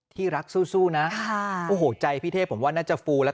ที่รักสู้นะโอ้โหใจพี่เทพผมว่าน่าจะฟูแล้ว